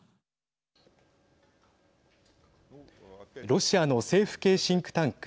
ロシアの政府系シンクタンク